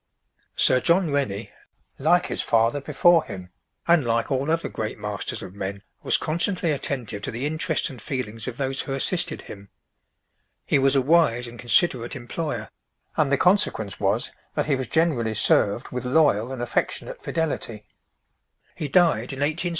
Sir John Rennie, like his father before him, and like all other great masters of men, was constantly attentive to the interests and feelings of those who assisted him. He was a wise and considerate employer; and the consequence was, that he was generally served with loyal and affectionate fidelity. He died in 1874, aged eighty years.